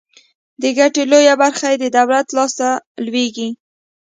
د ګټې لویه برخه یې د دولت لاس ته لویږي.